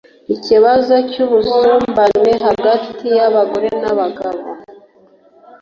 ikibazo cy’ubusumbane hagati y’abagore n’abagabo